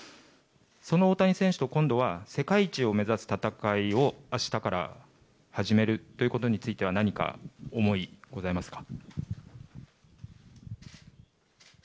その大谷選手を今度は世界一を目指す戦いを明日から始めることについては何か思いはございますか。